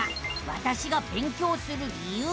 「わたしが勉強する理由」。